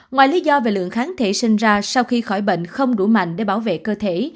ngoài lý do về lượng kháng thể sinh ra sau khi khỏi bệnh không đủ mạnh để bảo vệ cơ thể